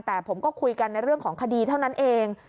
แต่ผมก็คุยกันในเรื่องของคดีเท่านั้นเอง